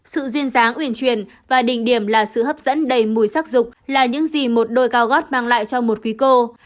sự duyên dáng uyển truyền và đỉnh điểm là sự hấp dẫn đầy mùi sắc dục là những gì một đôi cao gót mang lại cho một quý cô